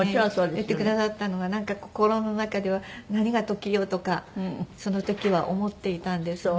言ってくださったのがなんか心の中では「何が時よ」とかその時は思っていたんですね。